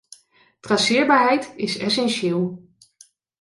Traceerbaarheid is essentieel.